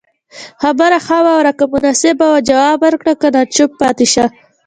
خبره خه واوره که مناسبه وه جواب ورکړه که نه چوپ پاتي شته